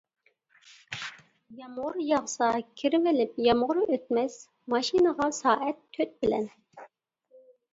يامغۇر ياغسا، كىرىۋېلىپ يامغۇر ئۆتمەس ماشىنىغا سائەت تۆت بىلەن.